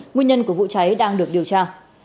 nguyên nhân của vụ cháy đang được điều tra